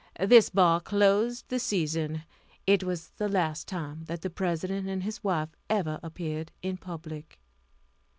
This ball closed the season. It was the last time that the President and his wife ever appeared in public.